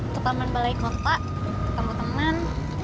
ke taman balai kota ketemu teman